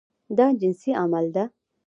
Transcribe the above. دا جنسي عمل ده.